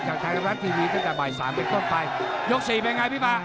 ไทยรัฐทีวีตั้งแต่บ่ายสามเป็นต้นไปยกสี่เป็นไงพี่บาง